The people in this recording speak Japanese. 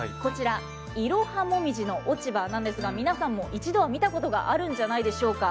イロハモミジの落ち葉なんですが、皆さんも一度は見たことがあるんじゃないでしょうか。